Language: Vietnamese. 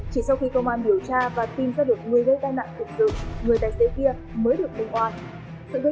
chỉ sau khi công an điều tra và tìm ra được người gây tai nạn thực sự